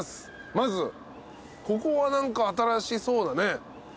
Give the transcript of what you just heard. まずここは新しそうなね。